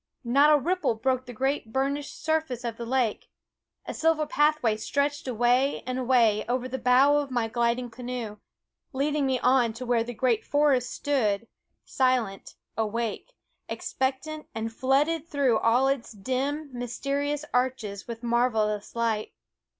Not a ripple broke the great burnished surface of the lake ; a silver pathway stretched away and away over the bow of my gliding canoe, leading me on to where the great forest stood, silent, awake, expectant, and flooded through all its dim, mysterious arches with marvelous light.